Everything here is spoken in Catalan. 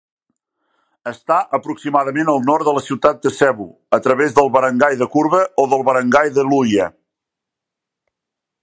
Està aproximadament al nord de la ciutat de Cebu a través del barangay de Curva o del barangay de Luya.